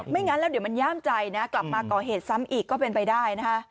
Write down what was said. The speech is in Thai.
งั้นแล้วเดี๋ยวมันย่ามใจนะกลับมาก่อเหตุซ้ำอีกก็เป็นไปได้นะคะ